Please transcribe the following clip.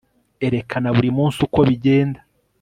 Erekana buri munsi uko bigenda